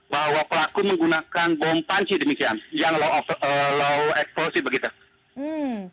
bahwa pelaku menggunakan bom panci demikian yang low explosive begitu